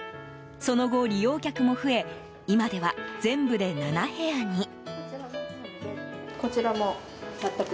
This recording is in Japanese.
その後、利用客も増え今では全部で７部屋に。